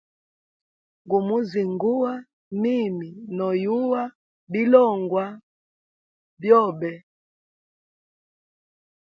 Gumu zinguwa, mimi noyuwa bilongwa byobe.